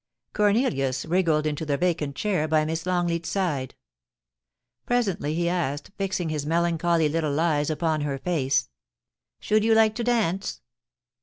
Cornelius wriggled into the vacant chair by Miss Long leat's side. Presently he asked, fixing his melancholy little eyes upon her face :' Should you like to dance